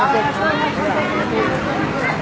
เฮ้ยเฮ้ยเฮ้ย